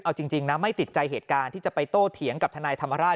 เอาจริงนะไม่ติดใจเหตุการณ์ที่จะไปโต้เถียงกับทนายธรรมราช